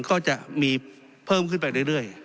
ก็จะมีเพิ่มขึ้นไปเรื่อย